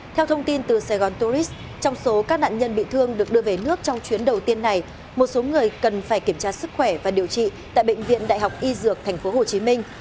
theo thông tin từ sài gòn tourist trong số các nạn nhân bị thương được đưa về nước trong chuyến đầu tiên này một số người cần phải kiểm tra sức khỏe và điều trị tại bệnh viện đại học y dược thành phố hồ chí minh